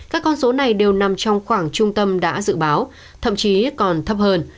các con số này đều nằm trong khoảng trung tâm đã dự báo thậm chí còn thấp hơn